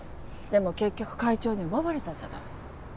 でも結局会長に奪われたじゃない。